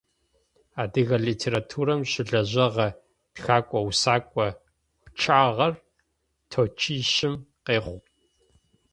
Адыгэ литературэм щылэжьэгъэ тхэкӏо-усэкӏо пчъагъэр тӏокӏищым къехъу.